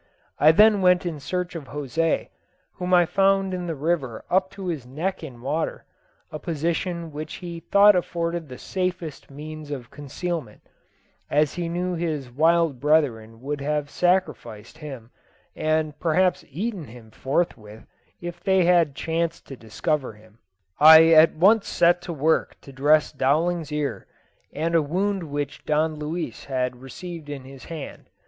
I then went in search of José, whom I found in the river up to his neck in water a position which he thought afforded the safest means of concealment, as he knew his wild brethren would have sacrificed him, and perhaps eaten him forthwith, if they had chanced to discover him." I at once set to work to dress Dowling's ear, and a wound which Don Luis had received in his hand.